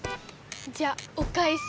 じゃあおかえし。